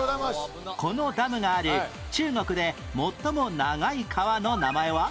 このダムがある中国で最も長い川の名前は？